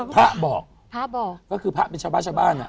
พระบอกเพราะคือพระเป็นชะบานเนี่ย